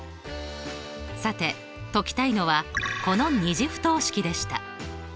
さて解きたいのはこの２次不等式でした。